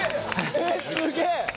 えっすげえ！